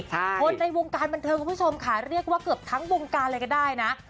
คนในวงการบันเทิงคุณผู้ชมค่ะเรียกว่าเกือบทั้งวงการเลยก็ได้นะ